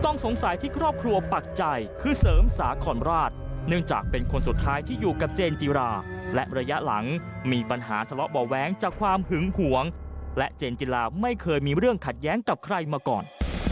ต้องสงสัยที่ครอบครัวปักใจคือเสริมสาครราชเนื่องจากเป็นคนสุดท้ายที่อยู่กับเจนจิราและระยะหลังมีปัญหาทะเลาะเบาะแว้งจากความหึงหวงและเจนจิลาไม่เคยมีเรื่องขัดแย้งกับใครมาก่อน